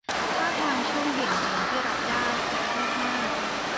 ท่าทางช่วงเบี่ยงเบนที่รับได้ จะแคบมาก